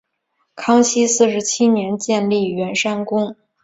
康熙四十七年建立圆山宫。